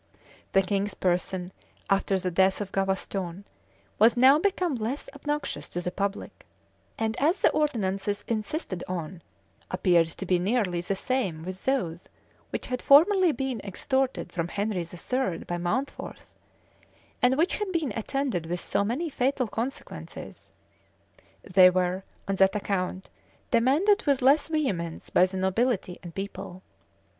The king's person, after the death of Gavaston, was now become less obnoxious to the public; and as the ordinances insisted on appeared to be nearly the same with those which had formerly been extorted from Henry III. by Mountfort, and which had been attended with so many fatal consequences, they were, on that account, demanded with less vehemence by the nobility and people.